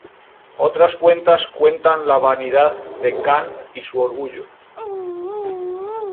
Otras cuentas cuentan la vanidad de Khan y su orgullo.